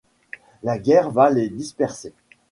La guerre va les disperser.